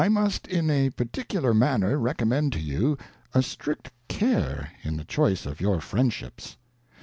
Must in a particular manner recommend to you a strict Care in the Choice of your Friendships.